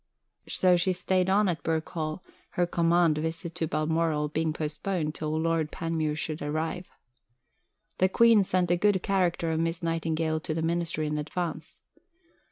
So she stayed on at Birk Hall, her "command" visit to Balmoral being postponed till Lord Panmure should arrive. The Queen sent a good character of Miss Nightingale to the Minister in advance.